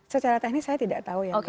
secara teknis saya tidak tahu ya